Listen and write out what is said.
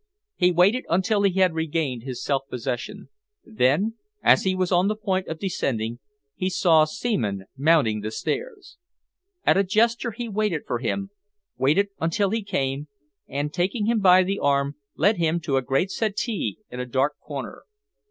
He waited until he had regained his self possession. Then, as he was on the point of descending, he saw Seaman mounting the stairs. At a gesture he waited for him, waited until he came, and, taking him by the arm, led him to a great settee in a dark corner.